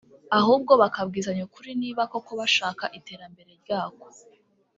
ahubwo bakabwizanya ukuri niba koko bashaka Iterambere ryako